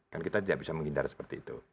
kan kita tidak bisa menghindar seperti itu